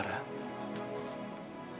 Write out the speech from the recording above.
ternyata aku sudah mati